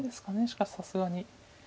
しかしさすがに。